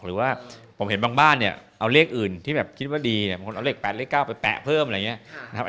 หรือว่าผมเห็นบางบ้านเอาเลขอื่นที่คิดว่าดีบางคนเอาเลข๘เลข๙ไปแปะเพิ่มอะไรอย่างนี้